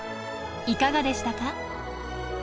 いかがでしたか？